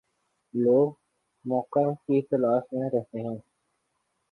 لوگ موقع کی تلاش میں رہتے ہیں۔